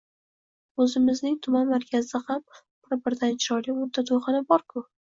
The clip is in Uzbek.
O`zimizning tuman markazida ham bir-biridan chiroyli o`nta to`yxona bor-ku